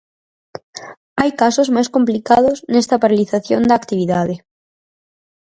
Hai casos máis complicados nesta paralización da actividade.